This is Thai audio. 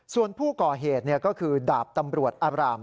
ส่วนผู้ก่อเหตุก็คือดาบตำรวจอาบราม